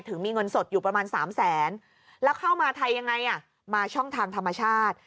ถึงมีเงินสดอยู่ประมาณ๓แสนแล้วเข้ามาไทยยังไงมาช่องทางธรรมชาติ